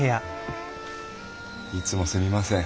いつもすみません。